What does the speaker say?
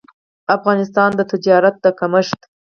افغانستان د تجارت د کمښت